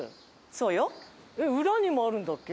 そうよ。えっ裏にもあるんだっけ？